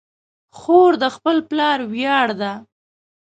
خور د خپل پلار ویاړ ده.